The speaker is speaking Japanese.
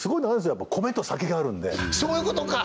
やっぱ米と酒があるんでそういうことか！